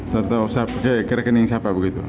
cari tahu rekening siapa begitu